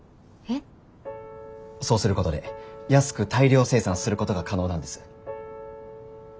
そうすることで安く大量生産することが可能なんです。